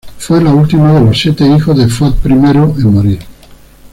Fue la última de los siete hijos de Fuad I en morir.